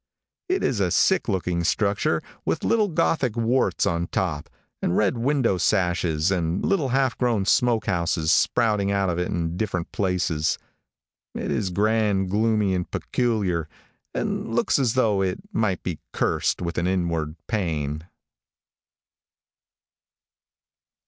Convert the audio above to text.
It is a sick looking structure, with little gothic warts on top, and red window sashes, and little half grown smoke houses sprouting out of it in different places. It is grand, gloomy and peculiar, and looks as though it might be cursed with an inward pain.